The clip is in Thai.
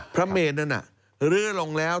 พระเมนนั้นเลื้อลงแล้ว